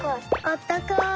あったかい。